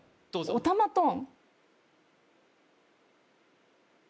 オタマトーン！